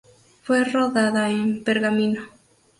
Fue rodada en Pergamino.